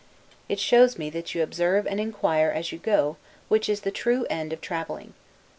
It shows me that you observe and inquire as you go, which is the true end of traveling.